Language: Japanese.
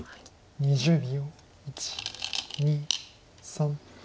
２０秒。